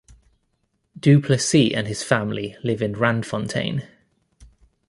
Du Plessis and his family live in Randfontein.